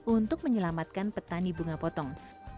untuk menyelamatkan petani bunga potong